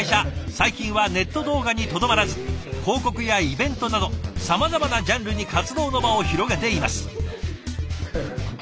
最近はネット動画にとどまらず広告やイベントなどさまざまなジャンルに活動の場を広げています。